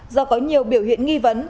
do có nhiều biểu hiện nghi vấn